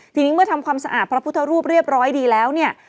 ทีนี้เมื่อทำความสะอาดพระพุทธรูปเรียบร้อยดีแล้วเนี่ย